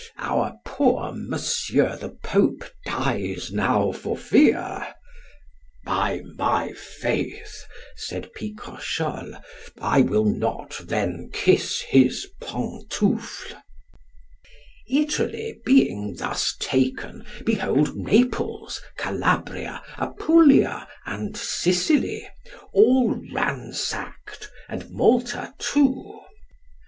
(Our poor Monsieur the Pope dies now for fear.) By my faith, said Picrochole, I will not then kiss his pantoufle. Italy being thus taken, behold Naples, Calabria, Apulia, and Sicily, all ransacked, and Malta too.